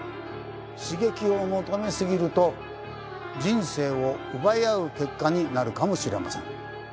刺激を求め過ぎると人生を奪い合う結果になるかもしれません。